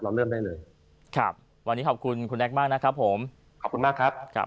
เริ่มได้เลยครับวันนี้ขอบคุณคุณแน็กมากนะครับผมขอบคุณมากครับ